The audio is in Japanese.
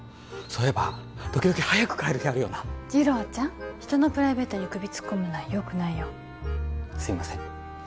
そういえば時々早く帰る日あるよな次郎ちゃん人のプライベートに首突っ込むのはよくないよすいません